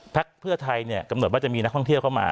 เพื่อไทยกำหนดว่าจะมีนักท่องเที่ยวเข้ามา